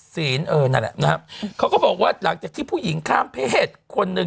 เออนั่นแหละนะครับเขาก็บอกว่าหลังจากที่ผู้หญิงข้ามเพศคนหนึ่ง